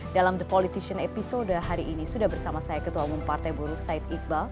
dalam the politician episode hari ini sudah bersama saya ketua umum partai buruh said iqbal